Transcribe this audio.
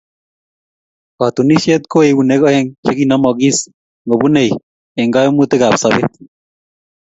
Katunisyet ko eunek aeng chekinomogis ngobunei eng kaimutiikab sobeet.